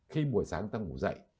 khi buổi sáng ta ngủ dậy